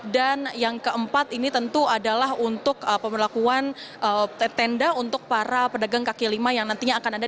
dan yang keempat ini tentu adalah untuk pemberlakuan tenda untuk para pedagang kaki lima yang nantinya akan ada